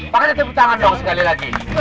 pak jaya tepuk tangan dong sekali lagi